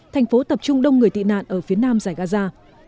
thành phố tập trung đông người tị nạn ở phía nam giải gaza